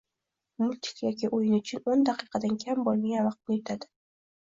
multik yoki o‘yin uchun o'n daqiqadan kam bo‘lmagan vaqtni yutadi.